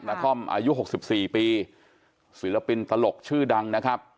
คอมอายุ๖๔ปีศิลปินตลกชื่อดังนะครับ